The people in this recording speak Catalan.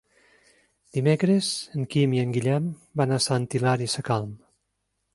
Dimecres en Quim i en Guillem van a Sant Hilari Sacalm.